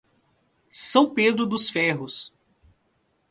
São Pedro dos Ferros